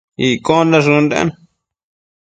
Iccondash ënden